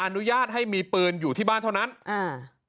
อนุญาตให้มีปืนอยู่ที่บ้านเท่านั้นอ่า